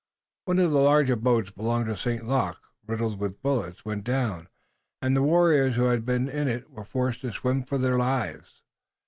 One of the larger boats belonging to St. Luc, riddled with bullets, went down, and the warriors who had been in it were forced to swim for their lives.